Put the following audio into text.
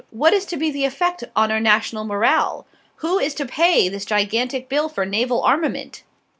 What is to be the effect on our national morale? Who is to pay this gigantic bill for naval armament?